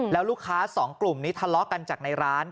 แล้วลูกค้าสองกลุ่มนี้ทะเลาะกันจากในร้าน